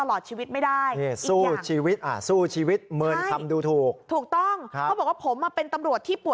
โรคอ้วนไม่ได้เข้า